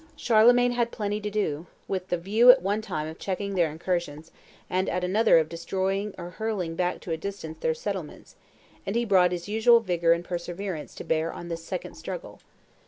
Charlemagne had plenty to do, with the view at one time of checking their incursions and at another of destroying or hurling back to a distance their settlements; and he brought his usual vigor and perseverance to bear on this second struggle.